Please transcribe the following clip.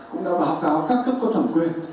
cũng đã báo cáo các cấp cơ thẩm quyền